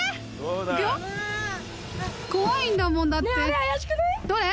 行くよそうだ怖いんだもんだってどれ？